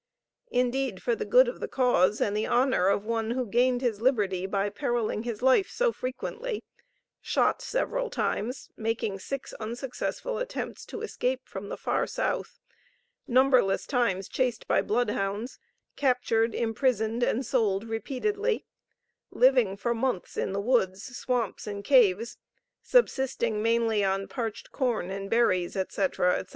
Indeed, for the good of the cause, and the honor of one who gained his liberty by periling his life so frequently: shot several times, making six unsuccessful attempts to escape from the far South, numberless times chased by bloodhounds, captured, imprisoned and sold repeatedly, living for months in the woods, swamps and caves, subsisting mainly on parched corn and berries, &c., &c.